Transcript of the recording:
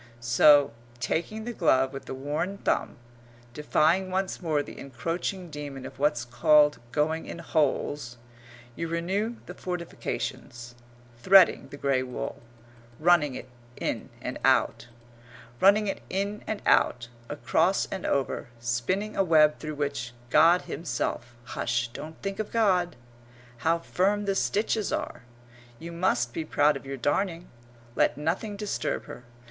So, taking the glove with the worn thumb, defying once more the encroaching demon of what's called going in holes, you renew the fortifications, threading the grey wool, running it in and out. Running it in and out, across and over, spinning a web through which God himself hush, don't think of God! How firm the stitches are! You must be proud of your darning. Let nothing disturb her.